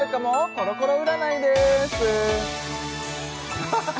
コロコロ占いです